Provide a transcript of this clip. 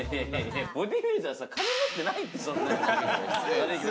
ボディービルダーさ、金持ってないってそんなに。